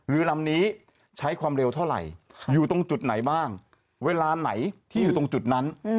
เรือลำนี้ใช้ความเร็วเท่าไหร่อยู่ตรงจุดไหนบ้างเวลาไหนที่อยู่ตรงจุดนั้น